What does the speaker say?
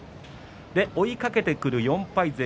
追いかけてくる４敗勢